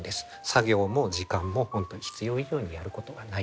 作業も時間も本当に必要以上にやることはない。